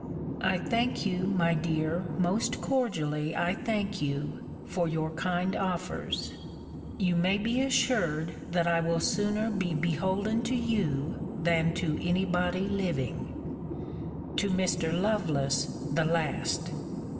I thank you, my dear, most cordially I thank you, for your kind offers. You may be assured, that I will sooner be beholden to you, than to any body living. To Mr. Lovelace the last.